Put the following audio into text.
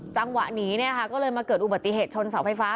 จังหวะหนีเนี่ยค่ะก็เลยมาเกิดอุบัติเหตุชนเสาไฟฟ้า